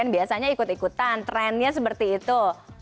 biasanya ikut ikutan trennya seperti itu